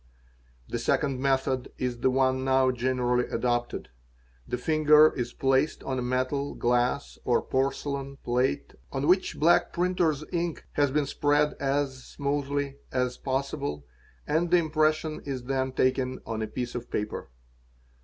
The second method is the one now generally adopted. he finger is placed on a metal, glass, or porcelain plate on which black FANE S| AEA TY Ba %& rin er's ink has been spread as smoothly as possible and the impression 8 th en taken on a piece of paper.